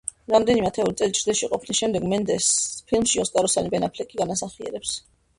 რამდენიმე ათეული წელი ჩრდილში ყოფნის შემდეგ მენდესს ფილმში ოსკაროსანი ბენ აფლეკი განასახიერებს.